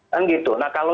kan gitu nah kalau